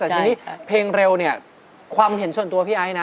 แต่ทีนี้เพลงเร็วเนี่ยความเห็นส่วนตัวพี่ไอ้นะ